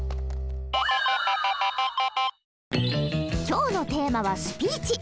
今日のテーマはスピーチ。